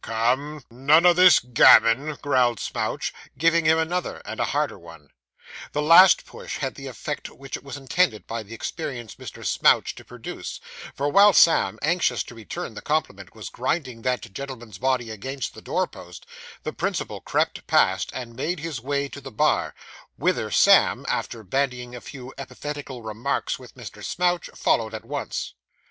'Come, none o' this gammon,' growled Smouch, giving him another, and a harder one. This last push had the effect which it was intended by the experienced Mr. Smouch to produce; for while Sam, anxious to return the compliment, was grinding that gentleman's body against the door post, the principal crept past, and made his way to the bar, whither Sam, after bandying a few epithetical remarks with Mr. Smouch, followed at once.